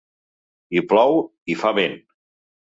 Hi plou i hi fa vent.